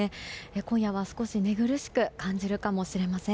今夜は少し寝苦しく感じるかもしれません。